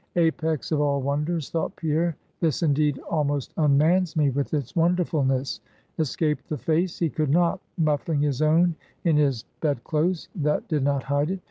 Apex of all wonders! thought Pierre; this indeed almost unmans me with its wonderfulness. Escape the face he could not. Muffling his own in his bed clothes that did not hide it.